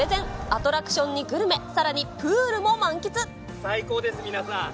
アトラクションにグルメ、さらに最高です、皆さん。